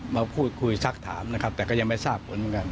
มาพูดคุยสักถามนะครับแต่ก็ยังไม่ทราบผลเหมือนกัน